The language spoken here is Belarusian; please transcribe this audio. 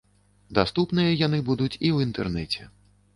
Даступныя яны будуць і ў інтэрнэце.